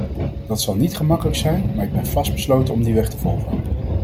Dat zal niet gemakkelijk zijn, maar ik ben vastbesloten om die weg te volgen.